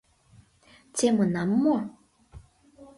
Темынам мо?